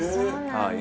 はい